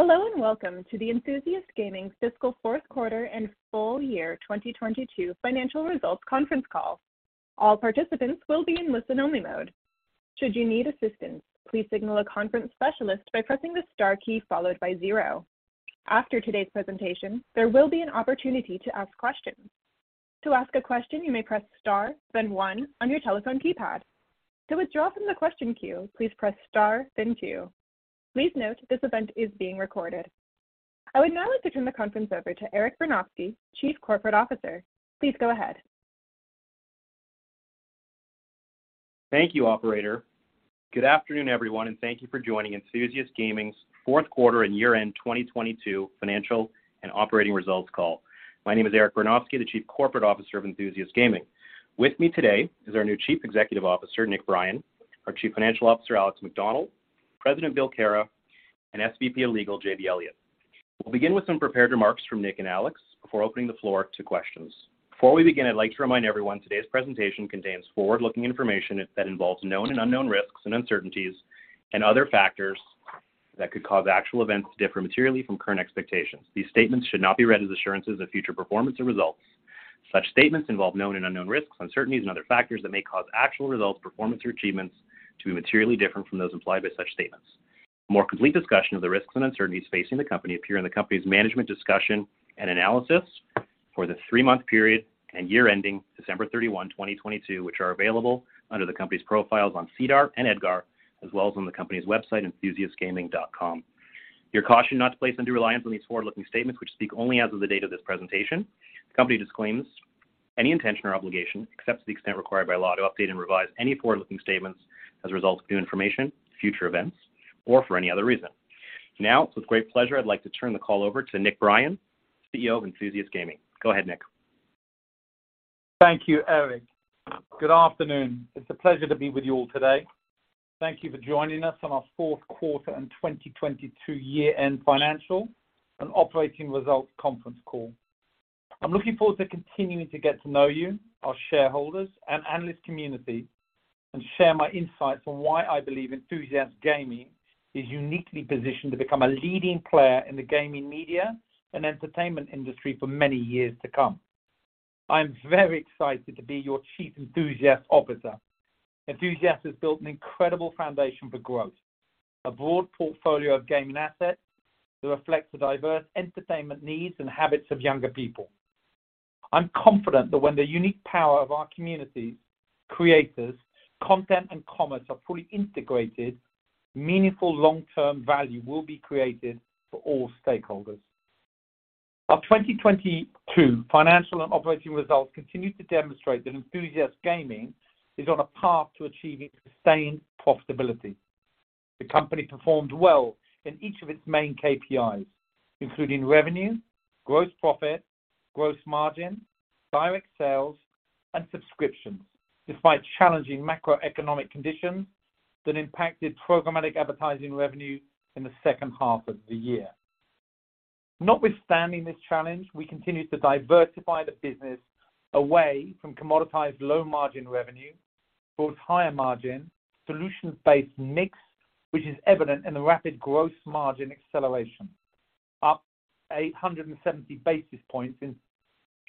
Hello, welcome to the Enthusiast Gaming Fiscal Fourth Quarter and Full Year 2022 Financial Results Conference Call. All participants will be in listen-only mode. Should you need assistance, please signal a conference specialist by pressing the star key followed by zero. After today's presentation, there will be an opportunity to ask questions. To ask a question, you may press star then one on your telephone keypad. To withdraw from the question queue, please press star then two. Please note this event is being recorded. I would now like to turn the conference over to Eric Bernofsky, Chief Corporate Officer. Please go ahead. Thank you, operator. Good afternoon, everyone, and thank you for joining Enthusiast Gaming's Fourth Quarter and Year-End 2022 Financial and Operating Results Call. My name is Eric Bernofsky, the Chief Corporate Officer of Enthusiast Gaming. With me today is our new Chief Executive Officer, Nick Brien, our Chief Financial Officer, Alex Macdonald, President, Bill Kara, and SVP of Legal, J.B. Elliott. We'll begin with some prepared remarks from Nick and Alex before opening the floor to questions. Before we begin, I'd like to remind everyone today's presentation contains forward-looking information that involves known and unknown risks and uncertainties and other factors that could cause actual events to differ materially from current expectations. These statements should not be read as assurances of future performance or results. Such statements involve known and unknown risks, uncertainties, and other factors that may cause actual results, performance or achievements to be materially different from those implied by such statements. More complete discussion of the risks and uncertainties facing the company appear in the company's management discussion and analysis for the three-month period and year ending December 31, 2022, which are available under the company's profiles on SEDAR and EDGAR, as well as on the company's website, enthusiastgaming.com. You're cautioned not to place undue reliance on these forward-looking statements which speak only as of the date of this presentation. The company disclaims any intention or obligation, except to the extent required by law, to update and revise any forward-looking statements as a result of new information, future events, or for any other reason. It's with great pleasure I'd like to turn the call over to Nick Brien, CEO of Enthusiast Gaming. Go ahead, Nick. Thank you, Eric. Good afternoon. It's a pleasure to be with you all today. Thank you for joining us on our Fourth Quarter and 2022 Year-End Financial and Operating Results Conference Call. I'm looking forward to continuing to get to know you, our shareholders and analyst community, and share my insights on why I believe Enthusiast Gaming is uniquely positioned to become a leading player in the gaming media and entertainment industry for many years to come. I'm very excited to be your Chief Enthusiast Officer. Enthusiast has built an incredible foundation for growth, a broad portfolio of gaming assets that reflect the diverse entertainment needs and habits of younger people. I'm confident that when the unique power of our community, creators, content and commerce are fully integrated, meaningful long-term value will be created for all stakeholders. Our 2022 financial and operating results continue to demonstrate that Enthusiast Gaming is on a path to achieving sustained profitability. The company performed well in each of its main KPIs, including revenue, gross profit, gross margin, direct sales, and subscriptions, despite challenging macroeconomic conditions that impacted programmatic advertising revenue in the second half of the year. Notwithstanding this challenge, we continued to diversify the business away from commoditized low margin revenue towards higher margin solutions-based mix, which is evident in the rapid gross margin acceleration, up 870 basis points in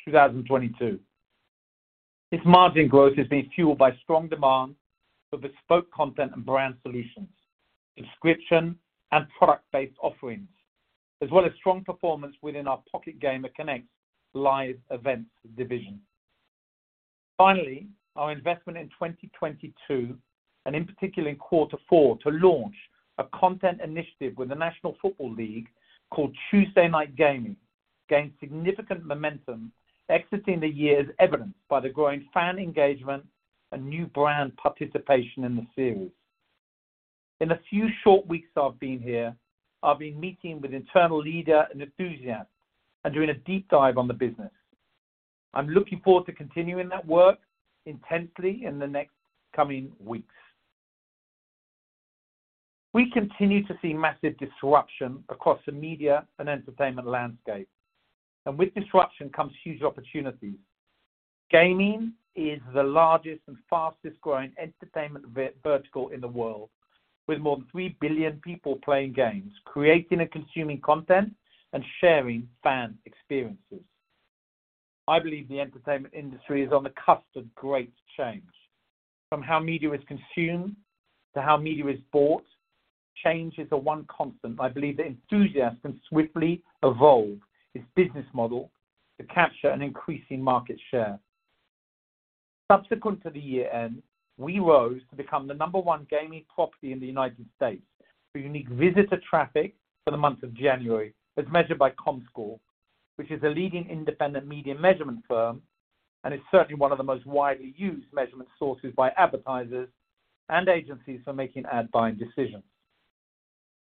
2022. This margin growth has been fueled by strong demand for bespoke content and brand solutions, subscription and product-based offerings, as well as strong performance within our Pocket Gamer Connects live events division. Finally, our investment in 2022, and in particular in quarter four, to launch a content initiative with the National Football League called Tuesday Night Gaming, gained significant momentum exiting the year as evidenced by the growing fan engagement and new brand participation in the series. In the few short weeks I've been here, I've been meeting with internal leader and Enthusiast and doing a deep dive on the business. I'm looking forward to continuing that work intensely in the next coming weeks. With disruption comes huge opportunities. Gaming is the largest and fastest-growing entertainment vertical in the world, with more than 3 billion people playing games, creating and consuming content, and sharing fan experiences. I believe the entertainment industry is on the cusp of great change. From how media is consumed to how media is bought, change is the one constant I believe that Enthusiast can swiftly evolve its business model to capture an increasing market share. Subsequent to the year-end, we rose to become the number one gaming property in the United States through unique visitor traffic for the month of January, as measured by Comscore, which is a leading independent media measurement firm and is certainly one of the most widely used measurement sources by advertisers and agencies for making ad buying decisions.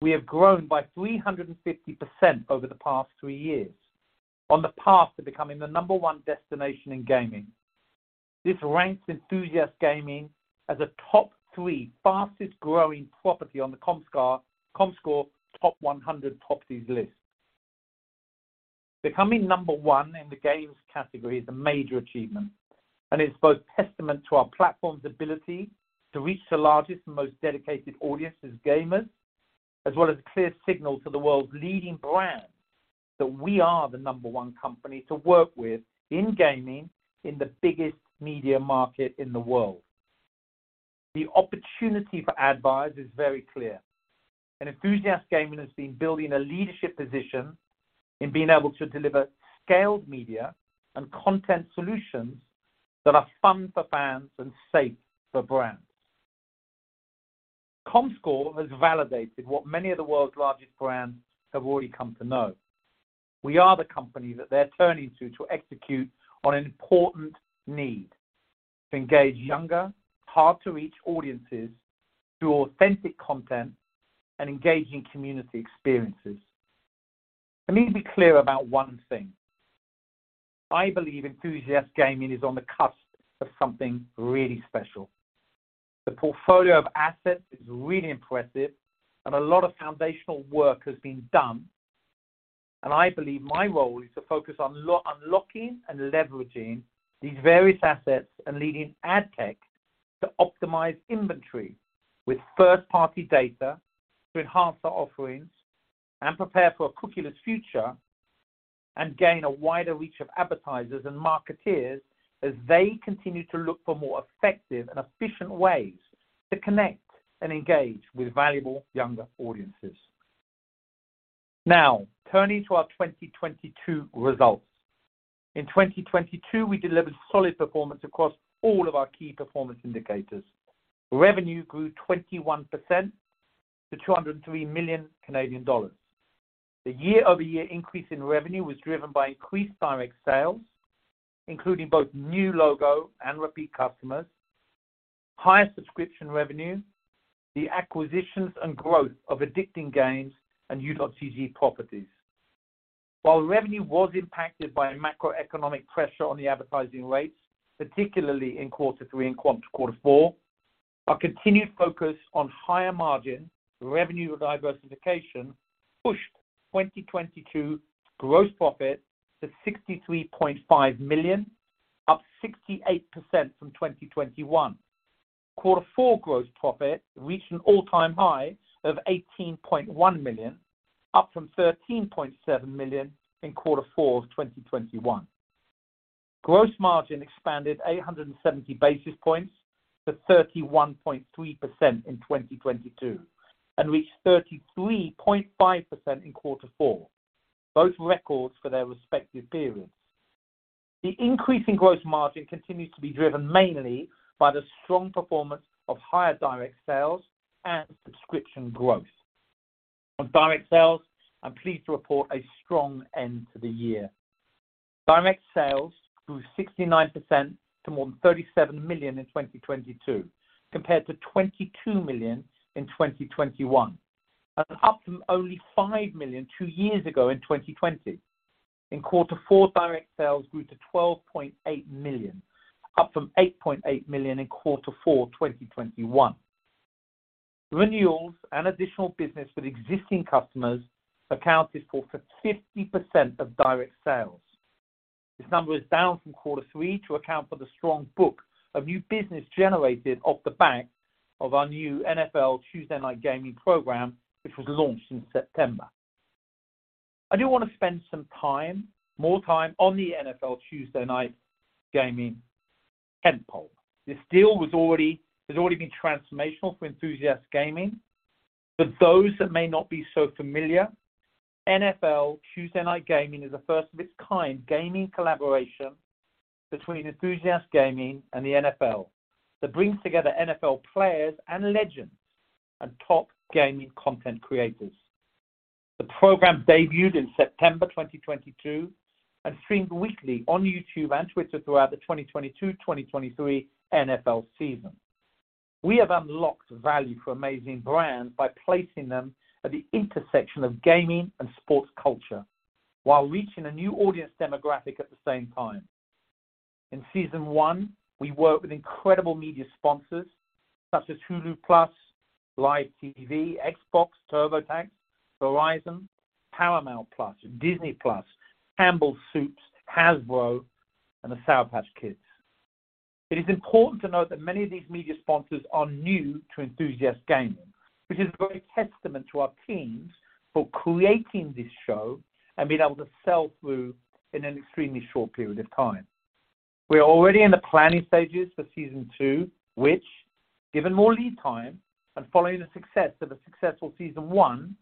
We have grown by 350% over the past three years on the path to becoming the number one destination in gaming. This ranks Enthusiast Gaming as a top-three fastest-growing property on the Comscore top 100 properties list. Becoming number one in the games category is a major achievement, and it's both testament to our platform's ability to reach the largest and most dedicated audience as gamers, as well as a clear signal to the world's leading brands that we are the number one company to work with in gaming in the biggest media market in the world. The opportunity for ad buyers is very clear, and Enthusiast Gaming has been building a leadership position in being able to deliver scaled media and content solutions that are fun for fans and safe for brands. Comscore has validated what many of the world's largest brands have already come to know. We are the company that they're turning to execute on an important need: to engage younger, hard-to-reach audiences through authentic content and engaging community experiences. Let me be clear about one thing. I believe Enthusiast Gaming is on the cusp of something really special. The portfolio of assets is really impressive and a lot of foundational work has been done, and I believe my role is to focus on unlocking and leveraging these various assets and leading ad tech to optimize inventory with first-party data to enhance our offerings and prepare for a cookieless future, and gain a wider reach of advertisers and marketeers as they continue to look for more effective and efficient ways to connect and engage with valuable younger audiences. Turning to our 2022 results. In 2022, we delivered solid performance across all of our key performance indicators. Revenue grew 21% to 203 million Canadian dollars. The year-over-year increase in revenue was driven by increased direct sales, including both new logo and repeat customers, higher subscription revenue, the acquisitions and growth of Addicting Games and U.GG properties. While revenue was impacted by a macroeconomic pressure on the advertising rates, particularly in quarter three and quarter four, our continued focus on higher margin revenue diversification pushed 2022 gross profit to 63.5 million, up 68% from 2021. Quarter four gross profit reached an all-time high of 18.1 million, up from 13.7 million in quarter four of 2021. Gross margin expanded 870 basis points to 31.3% in 2022 and reached 33.5% in quarter four, both records for their respective periods. The increase in gross margin continues to be driven mainly by the strong performance of higher direct sales and subscription growth. On direct sales, I'm pleased to report a strong end to the year. Direct sales grew 69% to more than $37 million in 2022 compared to $22 million in 2021. Up from only $5 million two years ago in 2020. In quarter four, direct sales grew to $12.8 million, up from $8.8 million in quarter four, 2021. Renewals and additional business with existing customers accounted for 50% of direct sales. This number is down from quarter three to account for the strong book of new business generated off the back of our new NFL Tuesday Night Gaming program, which was launched in September. I do wanna spend more time on the NFL Tuesday Night Gaming tentpole. This deal has already been transformational for Enthusiast Gaming. For those that may not be so familiar, NFL Tuesday Night Gaming is a first-of-its-kind gaming collaboration between Enthusiast Gaming and the NFL that brings together NFL players and legends and top gaming content creators. The program debuted in September 2022 and streamed weekly on YouTube and Twitter throughout the 2022/2023 NFL season. We have unlocked value for amazing brands by placing them at the intersection of gaming and sports culture while reaching a new audience demographic at the same time. In season one, we worked with incredible media sponsors such as Hulu + Live TV, Xbox, TurboTax, Verizon, Paramount+, Disney+, Campbell's Soup, Hasbro, and the Sour Patch Kids. It is important to note that many of these media sponsors are new to Enthusiast Gaming, which is very testament to our teams for creating this show and being able to sell through in an extremely short period of time. We are already in the planning stages for season two, which given more lead time and following the success of a successful season one,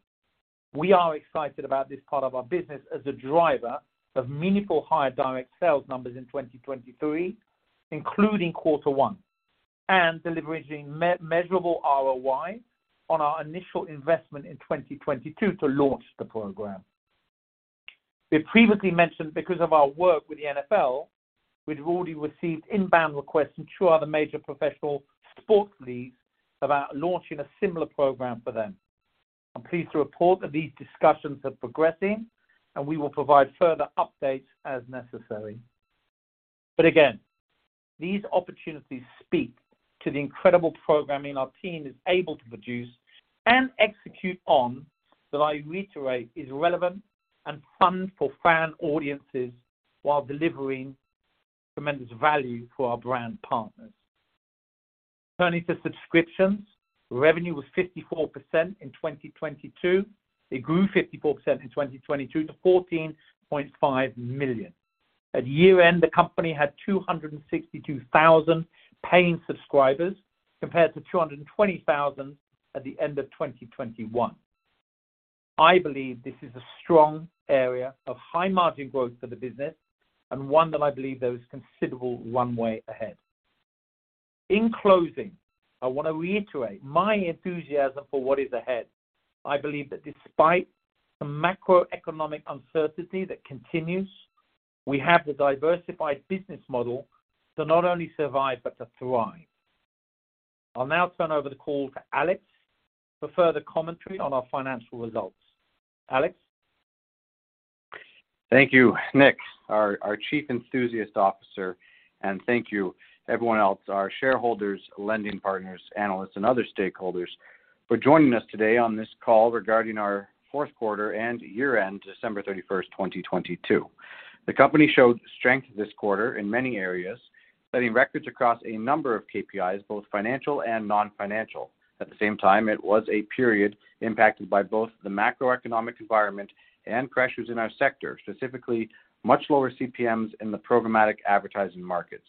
we are excited about this part of our business as a driver of meaningful higher direct sales numbers in 2023, including quarter one, and delivering measurable ROI on our initial investment in 2022 to launch the program. We previously mentioned because of our work with the NFL, we'd already received inbound requests from two other major professional sports leagues about launching a similar program for them. I'm pleased to report that these discussions are progressing, and we will provide further updates as necessary. Again, these opportunities speak to the incredible programming our team is able to produce and execute on that I reiterate is relevant and fun for fan audiences while delivering tremendous value for our brand partners. Turning to subscriptions, revenue was 54% in 2022. It grew 54% in 2022 to 14.5 million. At year-end, the company had 262,000 paying subscribers compared to 220,000 at the end of 2021. I believe this is a strong area of high margin growth for the business and one that I believe there is considerable one way ahead. In closing, I wanna reiterate my enthusiasm for what is ahead. I believe that despite the macroeconomic uncertainty that continues, we have the diversified business model to not only survive but to thrive. I'll now turn over the call to Alex for further commentary on our financial results. Alex. Thank you, Nick, our Chief Enthusiast Officer, and thank you everyone else, our shareholders, lending partners, analysts, and other stakeholders for joining us today on this call regarding our fourth quarter and year-end, December 31, 2022. The company showed strength this quarter in many areas, setting records across a number of KPIs, both financial and non-financial. At the same time, it was a period impacted by both the macroeconomic environment and pressures in our sector, specifically much lower CPMs in the programmatic advertising markets.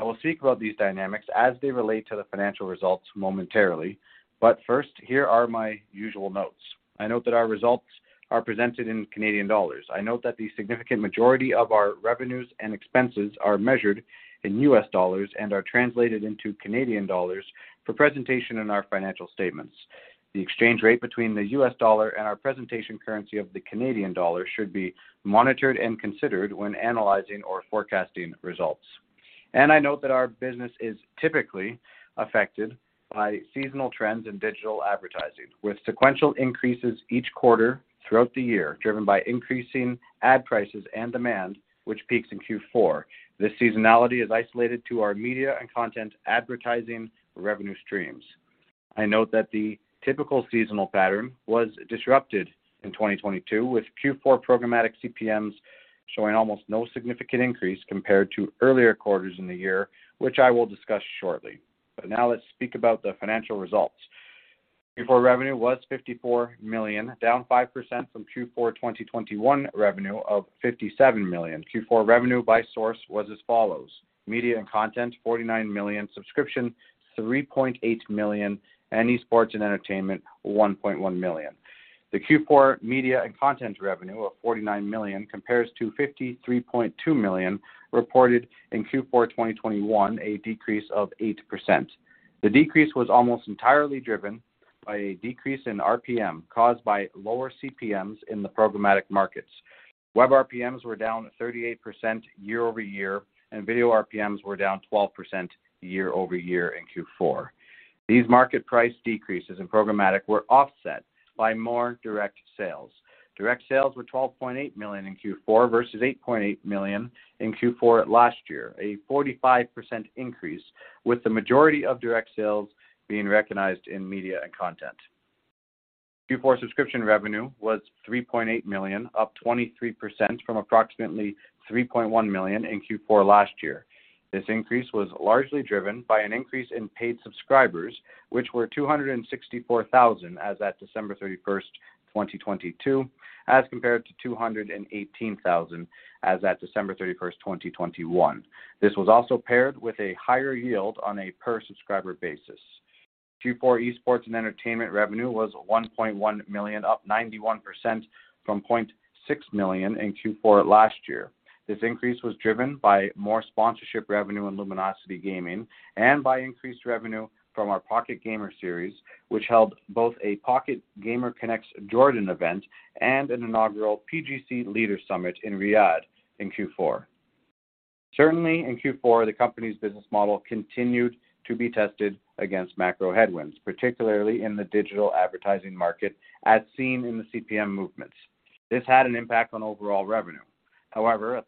I will speak about these dynamics as they relate to the financial results momentarily, but first, here are my usual notes. I note that our results are presented in Canadian dollars. I note that the significant majority of our revenues and expenses are measured in US dollars and are translated into Canadian dollars for presentation in our financial statements. The exchange rate between the US dollar and our presentation currency of the Canadian dollar should be monitored and considered when analyzing or forecasting results. I note that our business is typically affected by seasonal trends in digital advertising, with sequential increases each quarter throughout the year, driven by increasing ad prices and demand, which peaks in Q4. This seasonality is isolated to our media and content advertising revenue streams. I note that the typical seasonal pattern was disrupted in 2022, with Q4 programmatic CPMs showing almost no significant increase compared to earlier quarters in the year, which I will discuss shortly. Now let's speak about the financial results. Q4 revenue was 54 million, down 5% from Q4 2021 revenue of 57 million. Q4 revenue by source was as follows: media and content, $49 million; subscription, $3.8 million; and esports and entertainment, $1.1 million. The Q4 media and content revenue of $49 million compares to $53.2 million reported in Q4 2021, a decrease of 8%. The decrease was almost entirely driven by a decrease in RPM, caused by lower CPMs in the programmatic markets. Web RPMs were down 38% year-over-year, and video RPMs were down 12% year-over-year in Q4. These market price decreases in programmatic were offset by more direct sales. Direct sales were $12.8 million in Q4 versus $8.8 million in Q4 last year, a 45% increase, with the majority of direct sales being recognized in media and content. Q4 subscription revenue was $3.8 million, up 23% from approximately $3.1 million in Q4 last year. This increase was largely driven by an increase in paid subscribers, which were 264,000 as at December 31, 2022, as compared to 218,000 as at December 31, 2021. This was also paired with a higher yield on a per subscriber basis. Q4 esports and entertainment revenue was $1.1 million, up 91% from $0.6 million in Q4 last year. This increase was driven by more sponsorship revenue in Luminosity Gaming and by increased revenue from our Pocket Gamer series, which held both a Pocket Gamer Connects Jordan event and an inaugural PGC Leader Summit in Riyadh in Q4. Certainly in Q4, the company's business model continued to be tested against macro headwinds, particularly in the digital advertising market, as seen in the CPM movements. This had an impact on overall revenue. At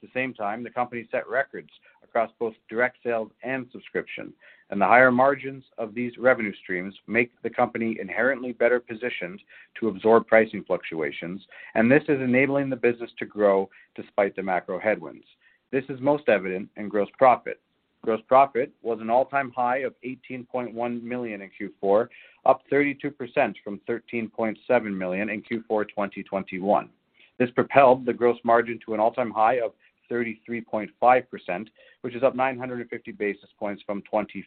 the same time, the company set records across both direct sales and subscription. The higher margins of these revenue streams make the company inherently better positioned to absorb pricing fluctuations. This is enabling the business to grow despite the macro headwinds. This is most evident in gross profit. Gross profit was an all-time high of $18.1 million in Q4, up 32% from $13.7 million in Q4 2021. This propelled the gross margin to an all-time high of 33.5%, which is up 950 basis points from 24%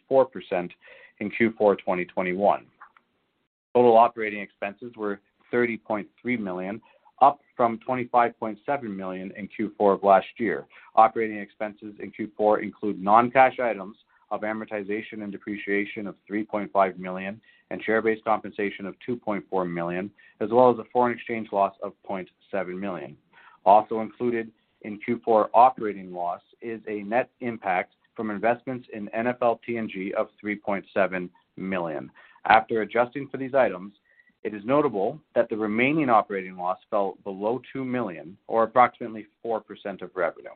in Q4 2021. Total operating expenses were $30.3 million, up from $25.7 million in Q4 of last year. Operating expenses in Q4 include non-cash items of amortization and depreciation of $3.5 million and share-based compensation of $2.4 million, as well as a foreign exchange loss of $0.7 million. Included in Q4 operating loss is a net impact from investments in NFL TNG of $3.7 million. After adjusting for these items, it is notable that the remaining operating loss fell below $2 million or approximately 4% of revenue.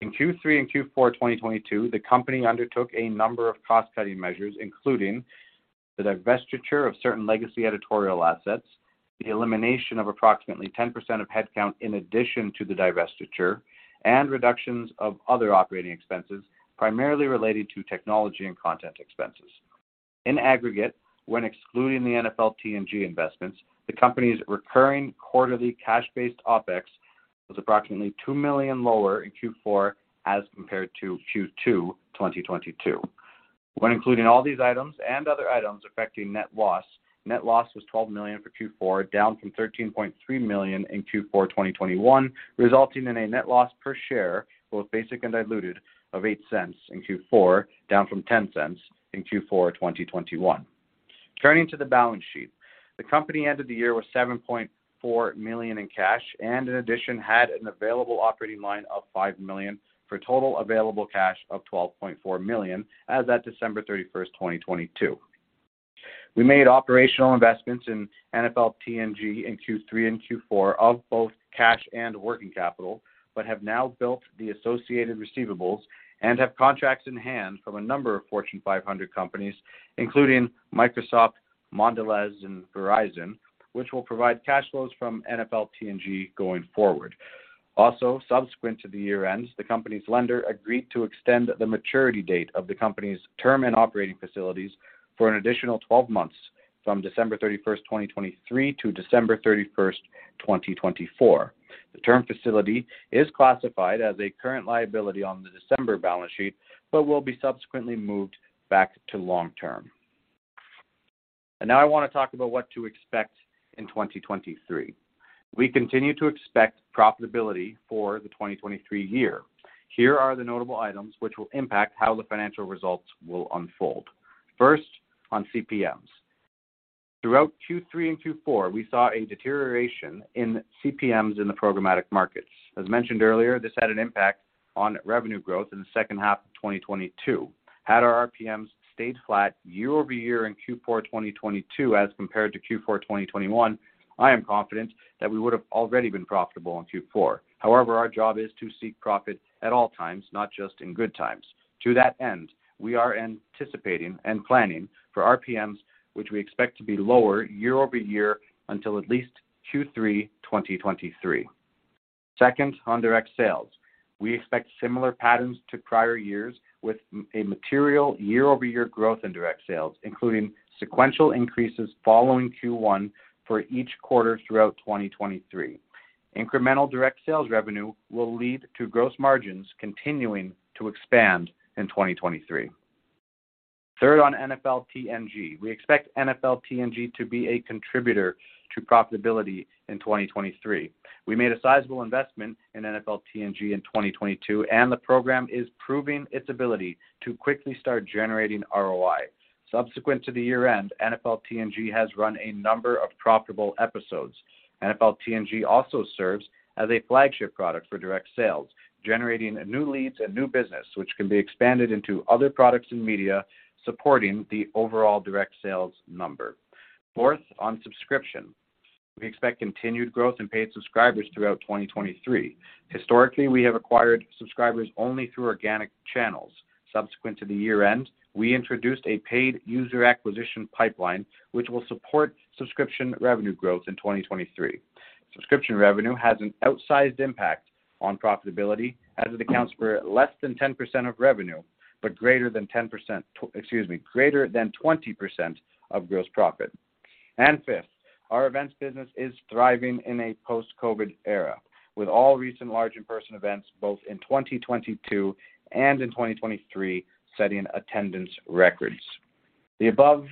In Q3 and Q4 2022, the company undertook a number of cost-cutting measures, including the divestiture of certain legacy editorial assets, the elimination of approximately 10% of headcount in addition to the divestiture, and reductions of other operating expenses, primarily related to technology and content expenses. In aggregate, when excluding the NFL TNG investments, the company's recurring quarterly cash-based OpEx was approximately $2 million lower in Q4 as compared to Q2 2022. When including all these items and other items affecting net loss, net loss was $12 million for Q4, down from $13.3 million in Q4 2021, resulting in a net loss per share, both basic and diluted, of $0.08 in Q4, down from $0.10 in Q4 2021. Turning to the balance sheet. The company ended the year with $7.4 million in cash and in addition, had an available operating line of $5 million for total available cash of $12.4 million as at December 31, 2022. We made operational investments in NFL TNG in Q3 and Q4 of both cash and working capital, have now built the associated receivables and have contracts in-hand from a number of Fortune 500 companies, including Microsoft, Mondelez, and Verizon, which will provide cash flows from NFL TNG going forward. Subsequent to the year-end, the company's lender agreed to extend the maturity date of the company's term and operating facilities for an additional 12 months from December 31, 2023 to December 31, 2024. The term facility is classified as a current liability on the December balance sheet, will be subsequently moved back to long term. Now I want to talk about what to expect in 2023. We continue to expect profitability for the 2023 year. Here are the notable items which will impact how the financial results will unfold. First, on CPMs. Throughout Q3 and Q4, we saw a deterioration in CPMs in the Programmatic Guaranteed markets. As mentioned earlier, this had an impact on revenue growth in the second half of 2022. Had our RPMs stayed flat year-over-year in Q4 2022 as compared to Q4 2021, I am confident that we would have already been profitable in Q4. Our job is to seek profit at all times, not just in good times. To that end, we are anticipating and planning for RPMs, which we expect to be lower year-over-year until at least Q3 2023. Second, on direct sales. We expect similar patterns to prior years with a material year-over-year growth in direct sales, including sequential increases following Q1 for each quarter throughout 2023. Incremental direct sales revenue will lead to gross margins continuing to expand in 2023. Third, on NFL TNG. We expect NFL TNG to be a contributor to profitability in 2023. We made a sizable investment in NFL TNG in 2022, the program is proving its ability to quickly start generating ROI. Subsequent to the year-end, NFL TNG has run a number of profitable episodes. NFL TNG also serves as a flagship product for direct sales, generating new leads and new business, which can be expanded into other products and media supporting the overall direct sales number. Fourth, on subscription. We expect continued growth in paid subscribers throughout 2023. Historically, we have acquired subscribers only through organic channels. Subsequent to the year-end, we introduced a paid user acquisition pipeline, which will support subscription revenue growth in 2023. Subscription revenue has an outsized impact on profitability as it accounts for less than 10% of revenue, greater than 10%, excuse me, greater than 20% of gross profit. Fifth, our events business is thriving in a post-COVID era, with all recent large in-person events, both in 2022 and in 2023, setting attendance records. The above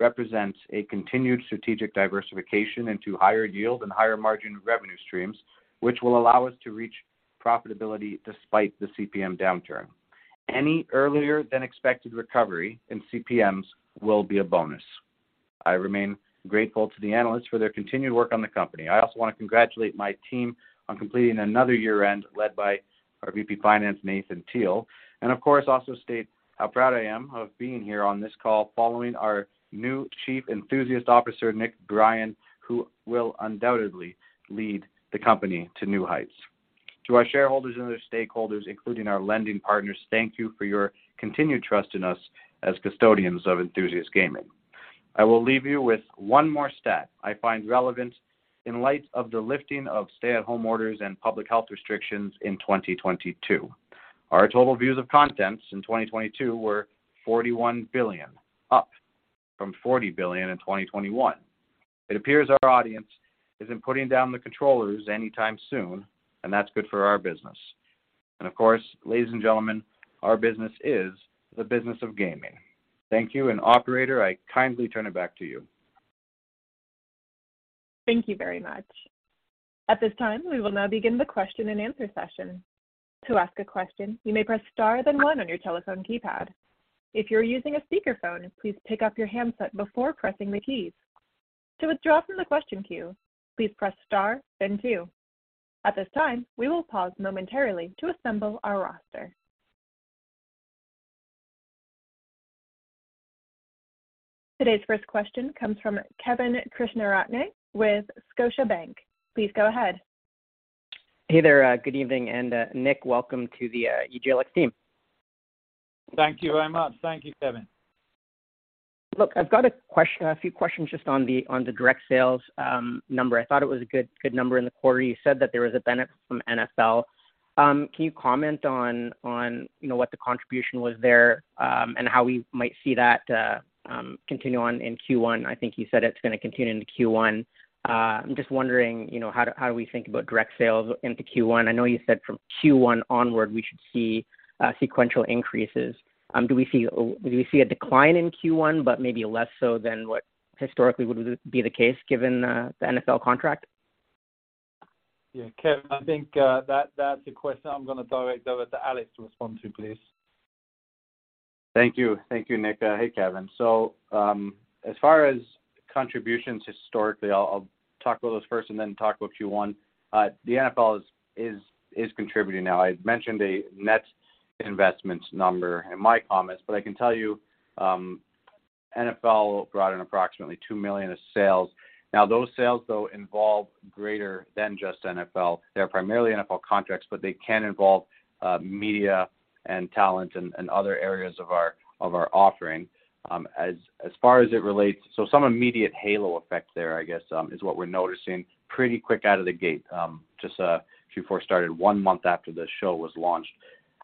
represents a continued strategic diversification into higher yield and higher margin revenue streams, which will allow us to reach profitability despite the CPM downturn. Any earlier than expected recovery in CPMs will be a bonus. I remain grateful to the analysts for their continued work on the company. I also want to congratulate my team on completing another year-end led by our VP Finance, Nathan Teal. Of course, also state how proud I am of being here on this call following our new Chief Enthusiast Officer, Nick Brien, who will undoubtedly lead the company to new heights. To our shareholders and other stakeholders, including our lending partners, thank you for your continued trust in us as custodians of Enthusiast Gaming. I will leave you with one more stat I find relevant in light of the lifting of stay-at-home orders and public health restrictions in 2022. Our total views of contents in 2022 were 41 billion, up from 40 billion in 2021. It appears our audience isn't putting down the controllers anytime soon, and that's good for our business. Of course, ladies and gentlemen, our business is the business of gaming. Thank you, and operator, I kindly turn it back to you. Thank you very much. At this time, we will now begin the question and answer session. To ask a question, you may press star then one on your telephone keypad. If you're using a speakerphone, please pick up your handset before pressing the keys. To withdraw from the question queue, please press Star then Two. At this time, we will pause momentarily to assemble our roster. Today's first question comes from Kevin Krishnaratne with Scotiabank. Please go ahead. Hey there. Good evening, and, Nick, welcome to the EGLX team. Thank you very much. Thank you, Kevin. Look, I've got a few questions just on the, on the direct sales number. I thought it was a good number in the quarter. You said that there was a benefit from NFL. Can you comment on, you know, what the contribution was there, and how we might see that continue on in Q1? I think you said it's gonna continue into Q1. I'm just wondering, you know, how do we think about direct sales into Q1? I know you said from Q1 onward we should see sequential increases. Do we see a decline in Q1, but maybe less so than what historically would be the case given the NFL contract? Kevin, that's a question I'm gonna direct over to Alex to respond to, please. Thank you, Nick. Hey, Kevin. As far as contributions historically, I'll talk about those first and then talk about Q1. The NFL is contributing now. I'd mentioned a net investments number in my comments, but I can tell you, NFL brought in approximately $2 million of sales. Those sales though involve greater than just NFL. They're primarily NFL contracts, but they can involve media and talent and other areas of our offering. As far as it relates some immediate halo effect there, I guess, is what we're noticing pretty quick out of the gate, just Q4 started one month after the show was launched.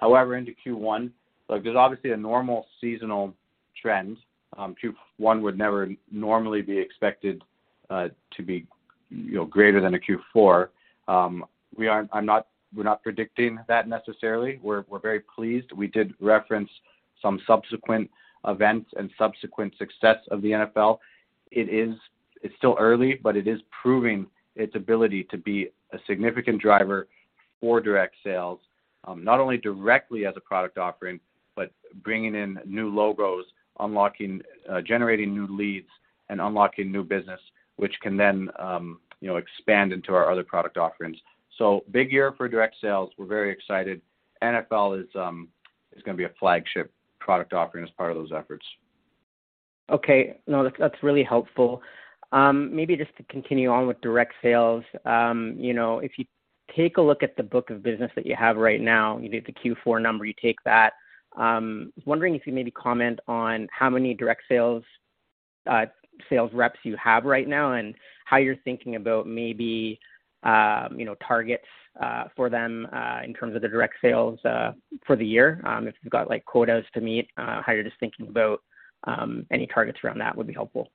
Into Q1, look, there's obviously a normal seasonal trend. Q1 would never normally be expected to be greater than a Q4. We're not predicting that necessarily. We're very pleased. We did reference some subsequent events and subsequent success of the NFL. It is, it's still early, but it is proving its ability to be a significant driver for direct sales, not only directly as a product offering, but bringing in new logos, unlocking, generating new leads and unlocking new business, which can then, you know, expand into our other product offerings. Big year for direct sales. We're very excited. NFL is gonna be a flagship product offering as part of those efforts. Okay. No, that's really helpful. Maybe just to continue on with direct sales, you know, if you take a look at the book of business that you have right now, you get the Q4 number, you take that, I was wondering if you maybe comment on how many direct sales sales reps you have right now and how you're thinking about maybe, you know, targets for them in terms of the direct sales for the year, if you've got like quotas to meet, how you're just thinking about any targets around that would be helpful?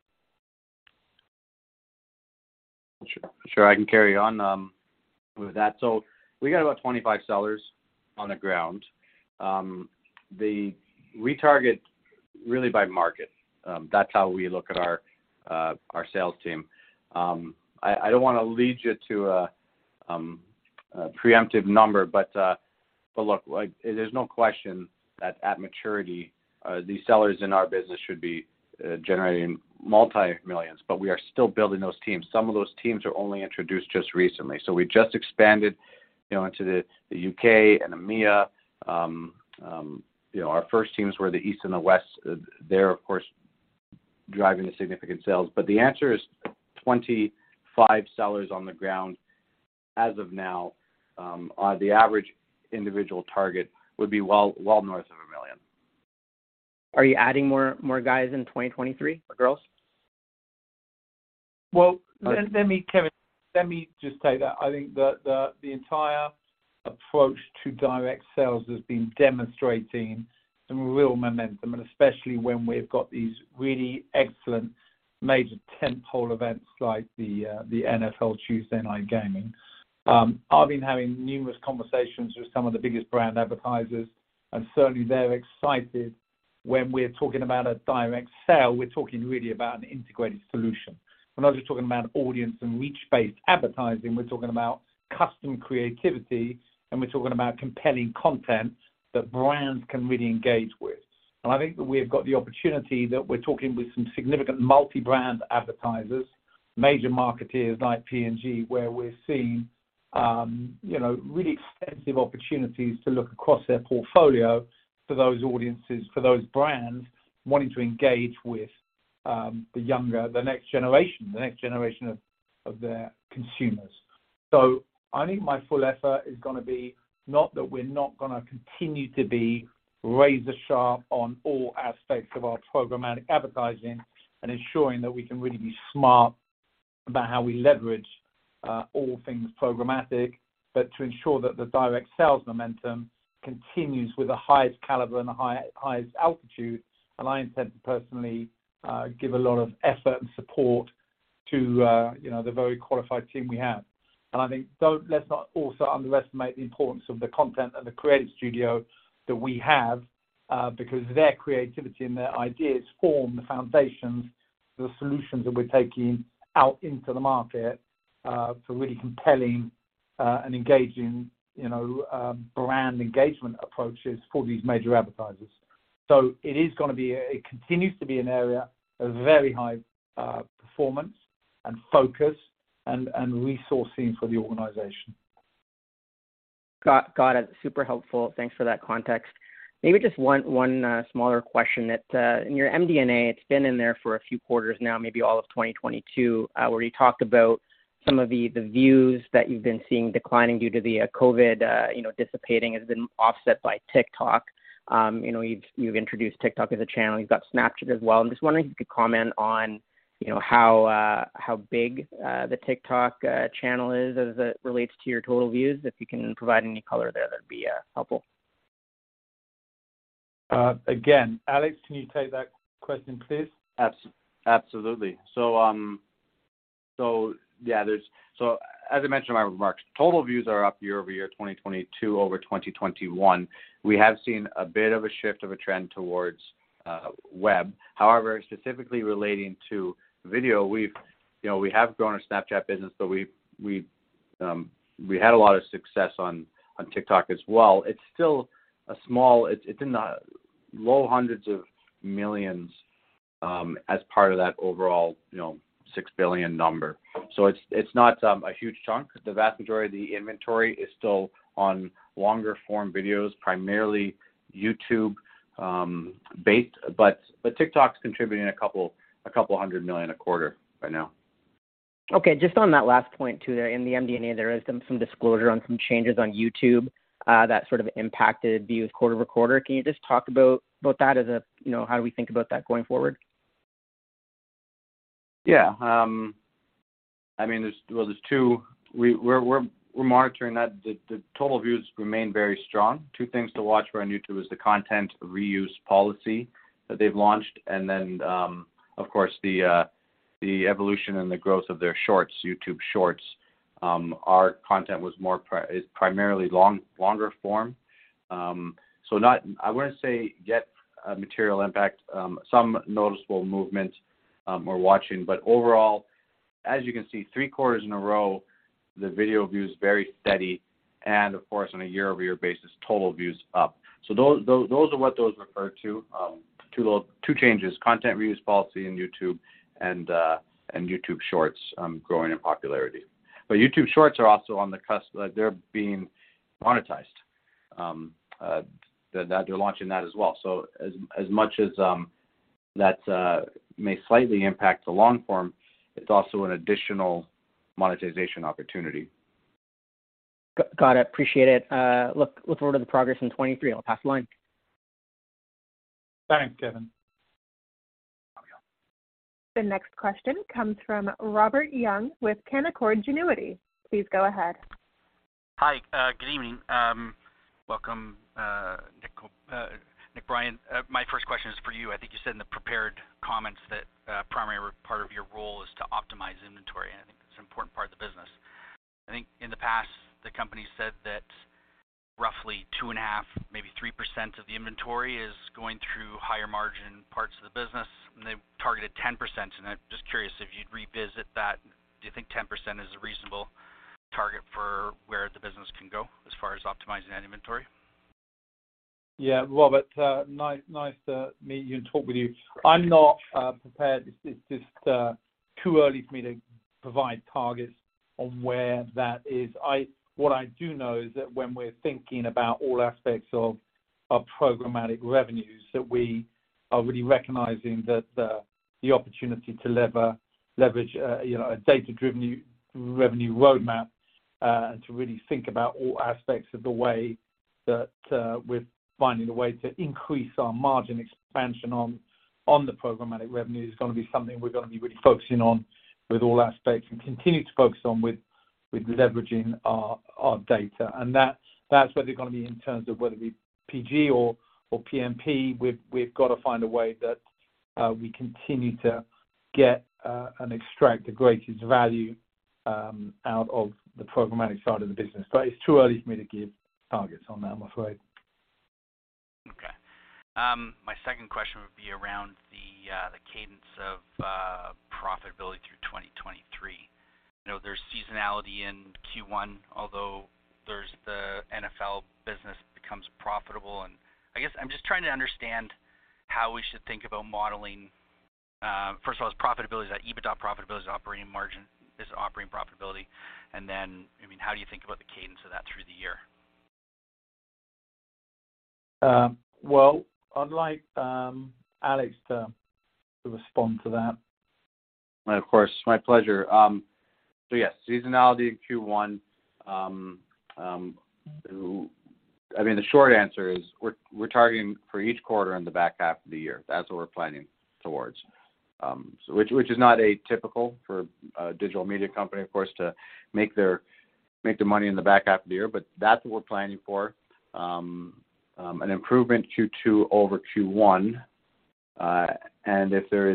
Sure. Sure, I can carry on with that. We got about 25 sellers on the ground. We target really by market. That's how we look at our sales team. I don't wanna lead you to a preemptive number, but look, like there's no question that at maturity, these sellers in our business should be generating multi-millions, but we are still building those teams. Some of those teams are only introduced just recently. We just expanded, you know, into the UK and EMEA. You know, our first teams were the East and the West. They're of course driving the significant sales, but the answer is 25 sellers on the ground as of now. The average individual target would be well, well north of 1 million. Are you adding more, more guys in 2023, or girls? Well, let me, Kevin, let me just say that I think that the entire approach to direct sales has been demonstrating some real momentum, and especially when we've got these really excellent major tentpole events like the NFL Tuesday Night Gaming. I've been having numerous conversations with some of the biggest brand advertisers, and certainly they're excited when we're talking about a direct sale, we're talking really about an integrated solution. We're not just talking about audience and reach-based advertising, we're talking about custom creativity, and we're talking about compelling content that brands can really engage with. I think that we've got the opportunity that we're talking with some significant multi-brand advertisers, major marketeers like P&G, where we're seeing, you know, really extensive opportunities to look across their portfolio for those audiences, for those brands wanting to engage with the younger, the next generation of their consumers. I think my full effort is gonna be not that we're not gonna continue to be razor sharp on all aspects of our programmatic advertising and ensuring that we can really be smart about how we leverage all things programmatic, but to ensure that the direct sales momentum continues with the highest caliber and the highest altitude. I intend to personally give a lot of effort and support to, you know, the very qualified team we have. I think let's not also underestimate the importance of the content and the creative studio that we have, because their creativity and their ideas form the foundations for the solutions that we're taking out into the market, for really compelling, and engaging, you know, brand engagement approaches for these major advertisers. It continues to be an area of very high, performance and focus and resourcing for the organization. Got it. Super helpful. Thanks for that context. Maybe just one smaller question that in your MD&A, it's been in there for a few quarters now, maybe all of 2022, where you talked about some of the views that you've been seeing declining due to the COVID dissipating has been offset by TikTok. You've introduced TikTok as a channel. You've got Snapchat as well. I'm just wondering if you could comment on how big the TikTok channel is as it relates to your total views. If you can provide any color there, that'd be helpful. Again, Alex Macdonald, can you take that question, please? Absolutely. As I mentioned in my remarks, total views are up year-over-year, 2022 over 2021. We have seen a bit of a shift of a trend towards web. However, specifically relating to video, we've, you know, we have grown our Snapchat business, but we've had a lot of success on TikTok as well. It's in the low hundreds of millions as part of that overall, you know, $6 billion number. It's not a huge chunk. The vast majority of the inventory is still on longer form videos, primarily YouTube based, but TikTok's contributing a couple $100 million a quarter right now. Okay. Just on that last point too there. In the MD&A, there is some disclosure on some changes on YouTube that sort of impacted views quarter-over-quarter. Can you just talk about that as a, you know, how do we think about that going forward? Well, there's two. We're monitoring that. The total views remain very strong. Two things to watch for on YouTube is the content reuse policy that they've launched and then, of course, the evolution and the growth of their shorts, YouTube Shorts. Our content is primarily longer form. I wouldn't say yet a material impact. Some noticeable movement, we're watching, overall, as you can see, three quarters in a row, the video view is very steady and of course on a year-over-year basis, total views up. Those are what those refer to two changes, content reuse policy in YouTube and YouTube Shorts, growing in popularity. YouTube Shorts are also on the cusp. Like, they're being monetized. They're launching that as well. As much as that may slightly impact the long form, it's also an additional monetization opportunity. Got it. Appreciate it. Look forward to the progress in 2023. I'll pass the line. Thanks, Kevin. The next question comes from Robert Young with Canaccord Genuity. Please go ahead. Hi. Good evening. Welcome, Nick Brien. My first question is for you. I think you said in the prepared comments that a primary part of your role is to optimize inventory, and I think that's an important part of the business. I think in the past, the company said that roughly 2.5%, maybe 3% of the inventory is going through higher margin parts of the business, and they've targeted 10%. I'm just curious if you'd revisit that. Do you think 10% is a reasonable target for where the business can go as far as optimizing that inventory? Robert, nice to meet you and talk with you. I'm not prepared. It's just too early for me to provide targets on where that is. What I do know is that when we're thinking about all aspects of programmatic revenues, that we are really recognizing that the opportunity to leverage, you know, a data-driven revenue roadmap, and to really think about all aspects of the way that we're finding a way to increase our margin expansion on the programmatic revenue is gonna be something we're gonna be really focusing on with all aspects and continue to focus on with leveraging our data. That's whether you're gonna be in terms of whether it be PG or PMP, we've got to find a way that we continue to get and extract the greatest value out of the programmatic side of the business. It's too early for me to give targets on that, I'm afraid. Okay. my second question would be around the cadence of profitability through 2023. You know, there's seasonality in Q1, although there's the NFL business becomes profitable. I guess I'm just trying to understand how we should think about modeling, first of all, as profitability, is that EBITDA profitability, is it operating margin, is it operating profitability? How do you think about the cadence of that through the year? Well, I'd like Alex to respond to that. Of course. My pleasure. Yes, seasonality in Q1, I mean, the short answer is we're targeting for each quarter in the back half of the year. That's what we're planning towards. Which is not atypical for a digital media company, of course, to make their money in the back half of the year. That's what we're planning for an improvement Q2 over Q1. If there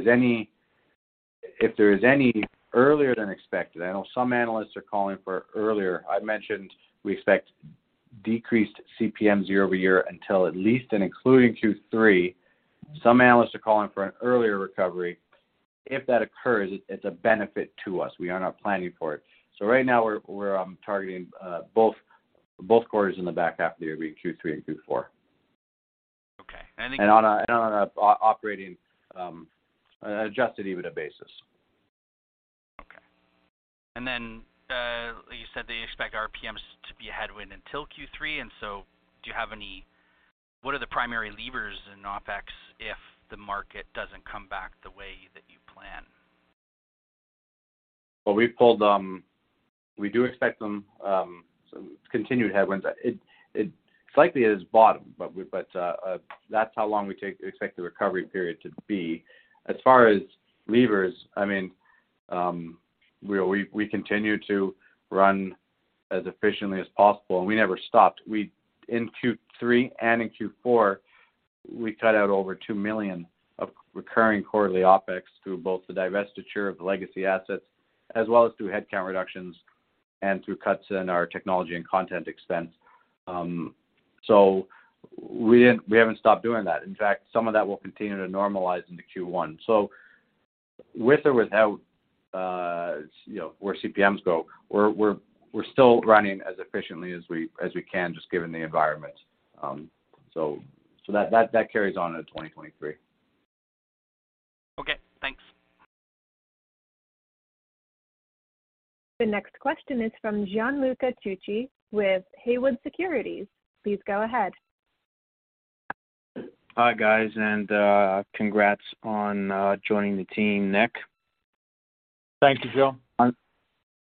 is any earlier than expected, I know some analysts are calling for earlier. I mentioned we expect decreased CPMs year-over-year until at least and including Q3. Some analysts are calling for an earlier recovery. If that occurs, it's a benefit to us. We are not planning for it. Right now we're targeting both quarters in the back half of the year, be it Q3 and Q4.On an operating adjusted EBITDA basis. Okay. You said they expect RPMs to be a headwind until Q3, what are the primary levers in OpEx if the market doesn't come back the way that you plan? We pulled. We do expect them continued headwinds. It likely has bottomed, but we expect the recovery period to be. As far as levers, I mean, we continue to run as efficiently as possible, and we never stopped. In Q3 and in Q4, we cut out over $2 million of recurring quarterly OpEx through both the divestiture of the legacy assets as well as through headcount reductions and through cuts in our technology and content expense. We haven't stopped doing that. In fact, some of that will continue to normalize into Q1. With or without, you know, where CPMs go, we're still running as efficiently as we can, just given the environment. That carries on into 2023. Okay, thanks. The next question is from Gianluca Tucci with Haywood Securities. Please go ahead. Hi, guys, and congrats on joining the team, Nick. Thank you, Gil.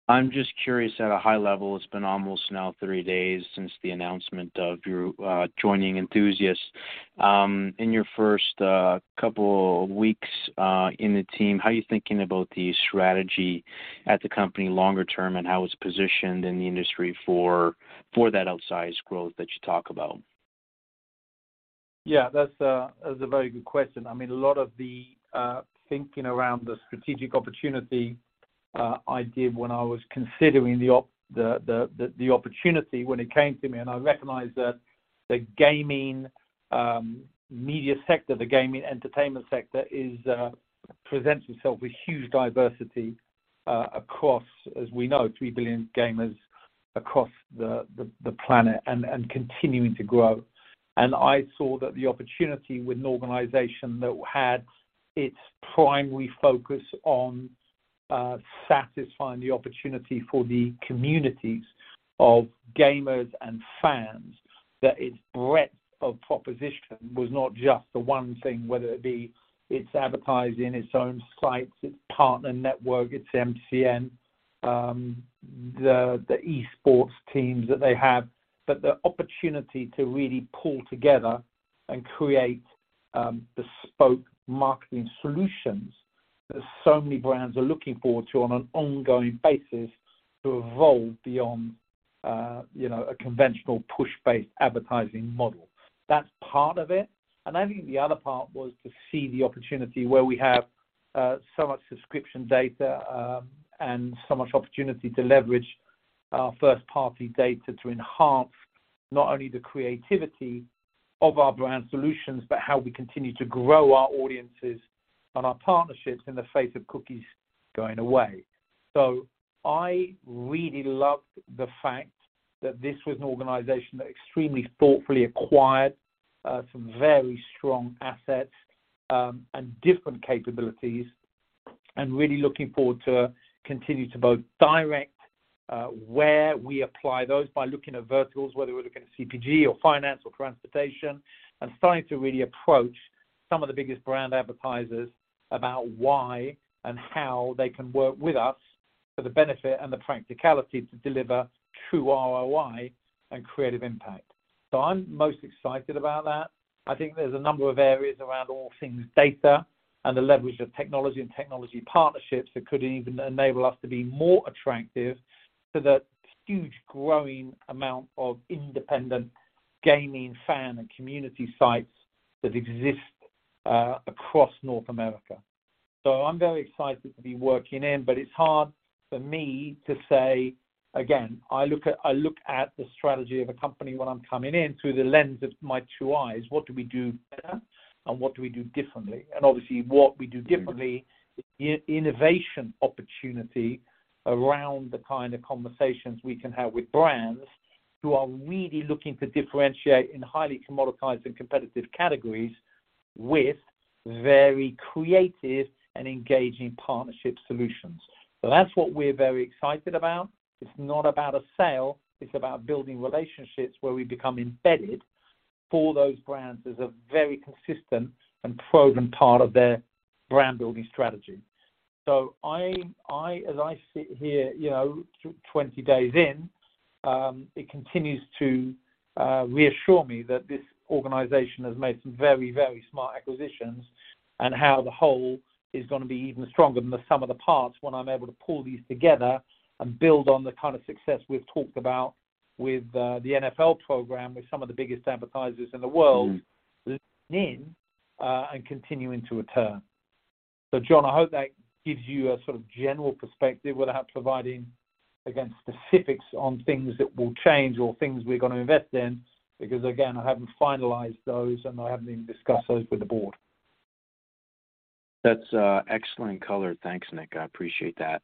I'm just curious at a high level, it's been almost now three days since the announcement of your joining Enthusiast. In your first couple of weeks in the team, how are you thinking about the strategy at the company longer term and how it's positioned in the industry for that outsized growth that you talk about? That's a very good question. A lot of the thinking around the strategic opportunity, I did when I was considering the opportunity when it came to me, I recognized that the gaming media sector, the gaming entertainment sector is presents itself with huge diversity across, as we know, 3 billion gamers across the planet and continuing to grow. I saw that the opportunity with an organization that had its primary focus on satisfying the opportunity for the communities of gamers and fans, that its breadth of proposition was not just the one thing, whether it be its advertising, its own sites, its partner network, its MCN, the esports teams that they have. The opportunity to really pull together and create, bespoke marketing solutions that so many brands are looking forward to on an ongoing basis to evolve beyond, you know, a conventional push-based advertising model. That's part of it. I think the other part was to see the opportunity where we have, so much subscription data, and so much opportunity to leverage our first-party data to enhance not only the creativity of our brand solutions, but how we continue to grow our audiences and our partnerships in the face of cookies going away. I really loved the fact that this was an organization that extremely thoughtfully acquired some very strong assets and different capabilities, and really looking forward to continue to both direct where we apply those by looking at verticals, whether we're looking at CPG or finance or transportation, and starting to really approach some of the biggest brand advertisers about why and how they can work with us for the benefit and the practicality to deliver true ROI and creative impact. I'm most excited about that. I think there's a number of areas around all things data and the leverage of technology and technology partnerships that could even enable us to be more attractive to the huge growing amount of independent gaming fan and community sites that exist across North America. I'm very excited to be working in, but it's hard for me to say, again, I look at the strategy of a company when I'm coming in through the lens of my two eyes. What do we do better and what do we do differently? Obviously, what we do differently, innovation opportunity around the kind of conversations we can have with brands who are really looking to differentiate in highly commoditized and competitive categories with very creative and engaging partnership solutions. That's what we're very excited about. It's not about a sale, it's about building relationships where we become embedded for those brands as a very consistent and proven part of their brand building strategy. As I sit here, 20 days in, it continues to reassure me that this organization has made some very, very smart acquisitions and how the whole is gonna be even stronger than the sum of the parts when I'm able to pull these together and build on the kind of success we've talked about with the NFL program with some of the biggest advertisers in the world leaning and continuing to return. John, I hope that gives you a sort of general perspective without providing against specifics on things that will change or things we're gonna invest in, because again, I haven't finalized those, and I haven't even discussed those with the board. That's excellent color. Thanks, Nick. I appreciate that.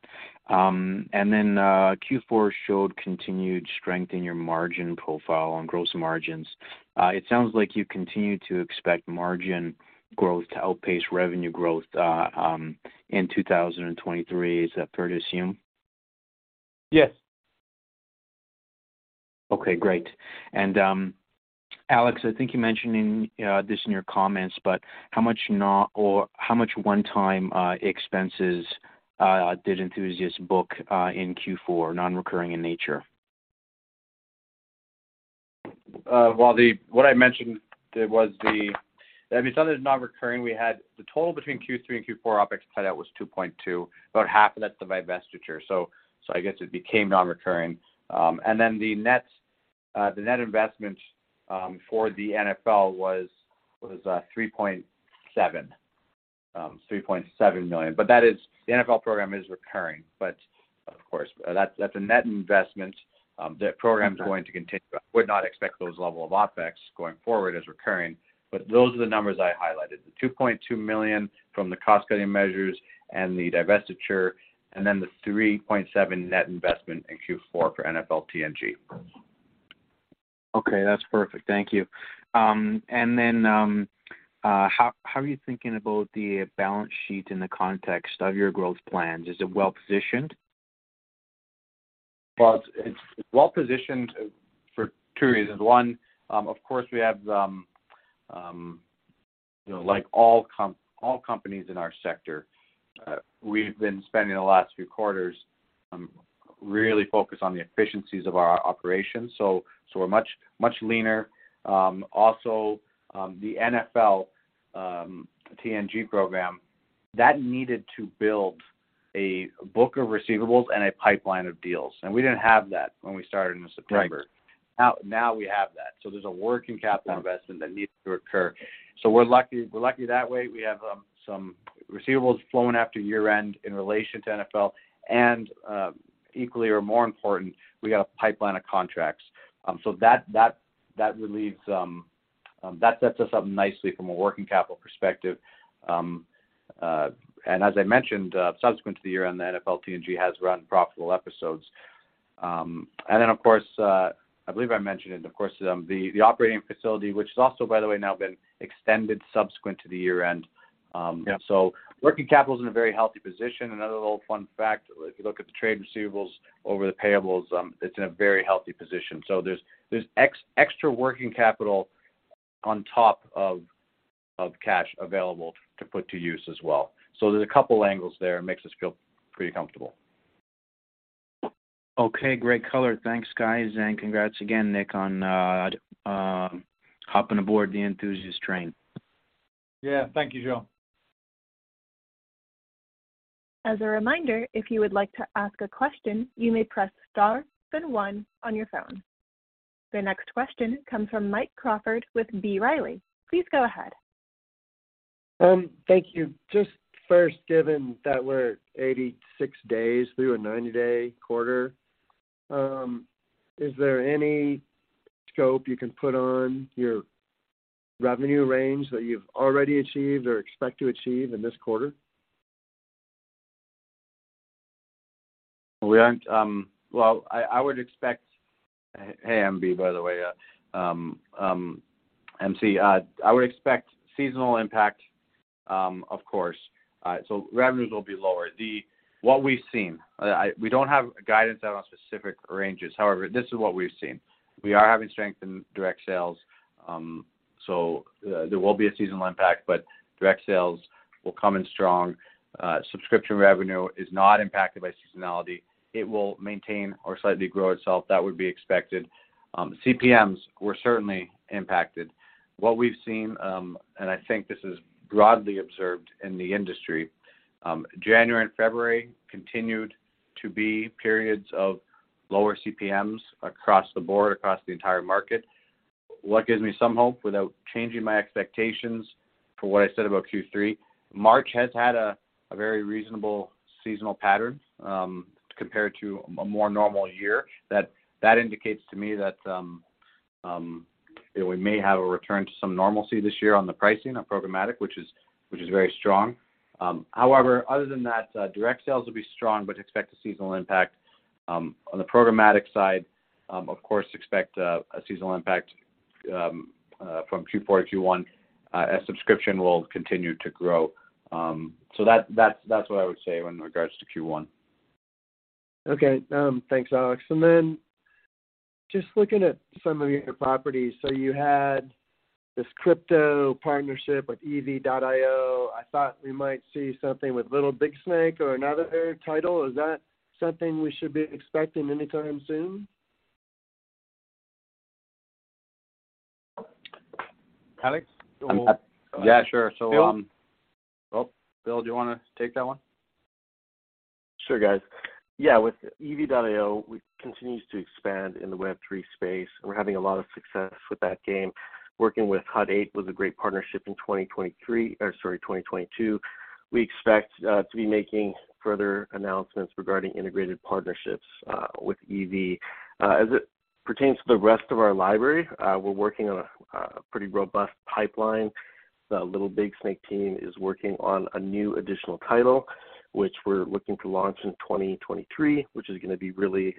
Q4 showed continued strength in your margin profile on gross margins. It sounds like you continue to expect margin growth to outpace revenue growth in 2023. Is that fair to assume? Yes. Okay, great. Alex, I think you mentioned in this in your comments, but how much one-time expenses did Enthusiast book in Q4, non-recurring in nature? Well, what I mentioned, other than not recurring, we had the total between Q3 and Q4 OpEx tied out was $2.2, about half of that's the divestiture. I guess it became non-recurring. Then the net investment for the NFL was $3.7. $3.7 million. The NFL program is recurring. Of course, that's a net investment, that program's going to continue. I would not expect those level of OpEx going forward as recurring, but those are the numbers I highlighted. The $2.2 million from the cost-cutting measures and the divestiture, then the $3.7 net investment in Q4 for NFL TNG. Okay, that's perfect. Thank you. How are you thinking about the balance sheet in the context of your growth plans? Is it well-positioned? Well, it's well-positioned for two reasons. One, of course, we have the, you know, like all companies in our sector, we've been spending the last few quarters, really focused on the efficiencies of our operations, so we're much leaner. Also, the NFL TNG program, that needed to build a book of receivables and a pipeline of deals, and we didn't have that when we started in September. Now we have that. There's a working capital investment that needs to occur. We're lucky that way. We have some receivables flowing after year-end in relation to NFL. Equally or more important, we got a pipeline of contracts. That relieves, that sets us up nicely from a working capital perspective. As I mentioned, subsequent to the year-end, the NFL TNG has run profitable episodes. Of course, I believe I mentioned it, of course, the operating facility, which has also, by the way, now been extended subsequent to the year-end. Working capital is in a very healthy position. Another little fun fact, if you look at the trade receivables over the payables, it's in a very healthy position. There's extra working capital on top of cash available to put to use as well. There's a couple angles there. It makes us feel pretty comfortable. Okay. Great color. Thanks, guys. Congrats again, Nick, on hopping aboard the Enthusiast train. Thank you, Gil. As a reminder, if you would like to ask a question, you may press star then one on your phone. The next question comes from Mike Crawford with B. Riley. Please go ahead. Thank you. Just first, given that we're 86 days through a 90-day quarter, is there any scope you can put on your revenue range that you've already achieved or expect to achieve in this quarter? We aren't. Well, I would expect. Hey, MB, by the way. MC, I would expect seasonal impact, of course. Revenues will be lower. What we've seen, we don't have guidance out on specific ranges. However, this is what we've seen. We are having strength in direct sales, there will be a seasonal impact, direct sales will come in strong. Subscription revenue is not impacted by seasonality. It will maintain or slightly grow itself. That would be expected. CPMs were certainly impacted. What we've seen, I think this is broadly observed in the industry, January and February continued to be periods of lower CPMs across the board, across the entire market. What gives me some hope without changing my expectations for what I said about Q3, March has had a very reasonable seasonal pattern, compared to a more normal year. That indicates to me that, you know, we may have a return to some normalcy this year on the pricing, on programmatic, which is very strong. Other than that, direct sales will be strong, but expect a seasonal impact. On the programmatic side, of course expect a seasonal impact from Q4 to Q1, as subscription will continue to grow. That's what I would say in regards to Q1. Thanks, Alex. Just looking at some of your properties, so you had this crypto partnership with EV.IO. I thought we might see something with Little Big Snake or another title. Is that something we should be expecting anytime soon? Alex? Sure. Bill? Bill, do you wanna take that one? Sure, guys. With EV.IO, we continues to expand in the Web3 space. We're having a lot of success with that game. Working with Hut 8 was a great partnership in 2022. We expect to be making further announcements regarding integrated partnerships with EV. As it pertains to the rest of our library, we're working on a pretty robust pipeline. The Little Big Snake team is working on a new additional title, which we're looking to launch in 2023, which is gonna be really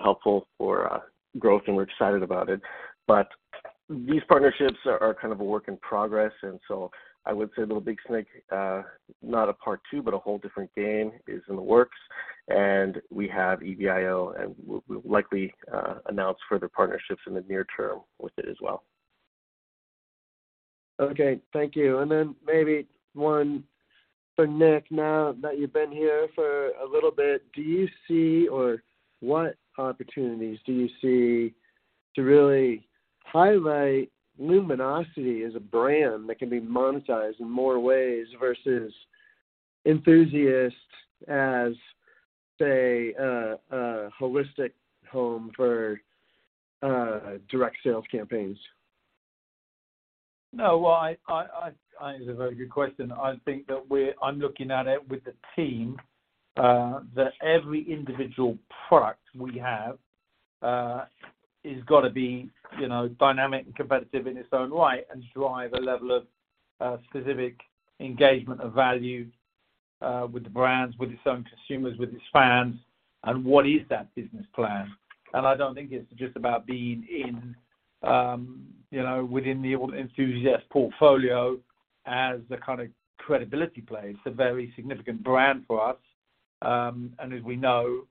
helpful for growth, we're excited about it. These partnerships are kind of a work in progress, I would say Little Big Snake, not a part two, but a whole different game is in the works. We have EV.IO, and we'll likely announce further partnerships in the near term with it as well. Okay. Thank you. Then maybe one for Nick. Now that you've been here for a little bit, do you see or what opportunities do you see to really highlight Luminosity as a brand that can be monetized in more ways versus Enthusiast as, say, a holistic home for direct sales campaigns? No. Well, I think it's a very good question. I think that I'm looking at it with the team, that every individual product we have, has gotta be dynamic and competitive in its own right and drive a level of specific engagement of value, with the brands, with its own consumers, with its fans, and what is that business plan. I don't think it's just about being in, you know, within the old Enthusiast portfolio as the kind of credibility play. It's a very significant brand for us, and as we know,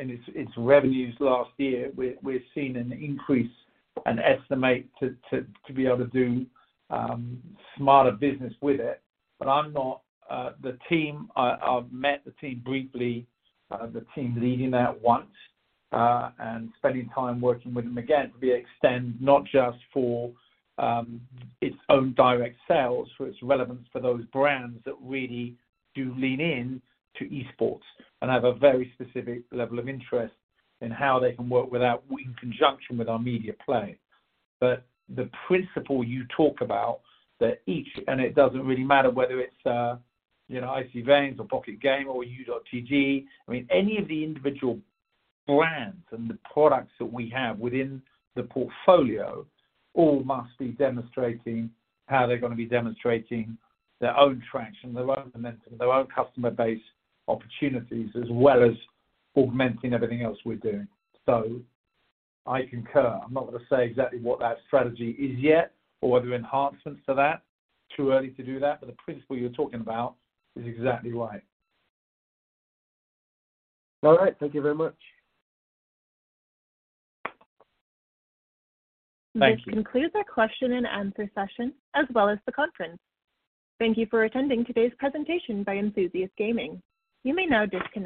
in its revenues last year, we're seeing an increase, an estimate to be able to do smarter business with it. I've met the team briefly, the team leading that once, and spending time working with them again, we extend not just for, its own direct sales, for its relevance for those brands that really do lean in to esports and have a very specific level of interest in how they can work in conjunction with our media play. But the principle you talk about that each, and it doesn't really matter whether it's, you know, Icy Veins or Pocket Gamer or U.GG, I mean, any of the individual brands and the products that we have within the portfolio all must be demonstrating how they're gonna be demonstrating their own traction, their own momentum, their own customer base opportunities, as well as augmenting everything else we're doing. So I concur. I'm not gonna say exactly what that strategy is yet or whether enhancements to that. Too early to do that, but the principle you're talking about is exactly right. All right. Thank you very much. Thank you. This concludes our question-and-answer session, as well as the conference. Thank you for attending today's presentation by Enthusiast Gaming. You may now disconnect.